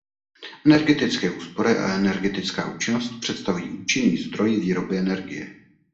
Energetické úspory a energetická účinnost představují účinný zdroj výroby energie.